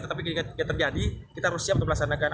tetapi ketika terjadi kita harus siap untuk melaksanakan